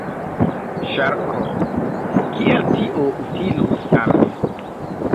Ŝarko: "Kiel tio utilus al mi?"